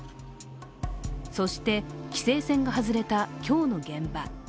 そして規制線が外れた今日の現場。